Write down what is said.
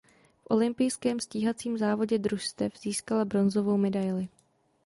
V olympijském stíhacím závodě družstev získala bronzovou medaili.